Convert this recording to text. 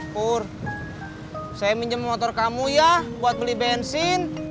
kur saya minjem motor kamu ya buat beli bensin